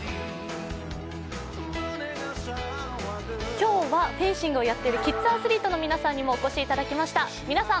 今日はフェンシングをやってるキッズアスリートの皆さんにもお越しいただきました皆さん